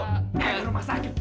eh rumah sakit